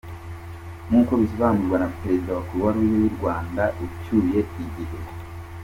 Nk’uko bisobanurwa na Perezida wa kuruwa ruje y’u Rwanda ucyuye igihe .